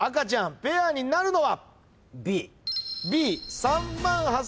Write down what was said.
ペアになるのは？